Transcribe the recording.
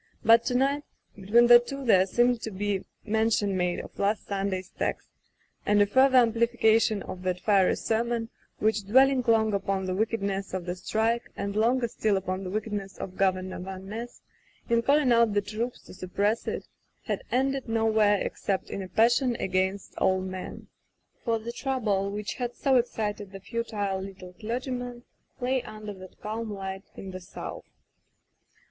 But to night, between the two there seemed to be mention made of last Su«iday*s text, and a further amplification of that fiery sermon which, dwelling long upon the wickedness of the strike and longer still upon the wickedness of Governor Van Ness [ 208 ] Digitized by LjOOQ IC Martha in calling out the troops to suppress it, had ended nowhere except in a passion against all men. For the trouble which had so excited the futile litde clergyman lay under that calm light in the south.